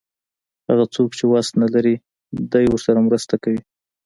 هغه څوک چې وس نه لري دی ورسره مرسته کوي.